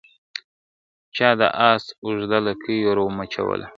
چا د آس اوږده لکۍ ور مچوله ,